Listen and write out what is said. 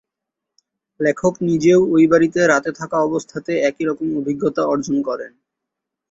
লেখক নিজেও ঐ বাড়িতে রাতে থাকা অবস্থাতে একইরকম অভিজ্ঞতা অর্জন করেন।